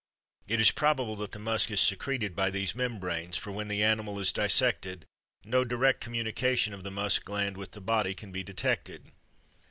It is probable that the musk is secreted by these membranes, for when the animal is dissected, no direct communication of the musk gland with the body can be detected.